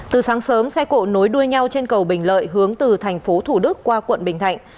từ sáng sớm xe cộ nối đuôi nhau trên cầu bình lợi hướng từ thành phố thủ đức qua quận bình thạnh